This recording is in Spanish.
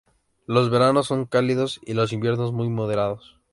Los veranos son cálidos y los inviernos muy moderados.